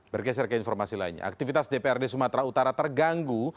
bergeser ke informasi lainnya aktivitas dprd sumatera utara terganggu